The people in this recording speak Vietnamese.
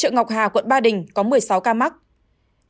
ngọc hà quận ba đình có một mươi sáu ca mắc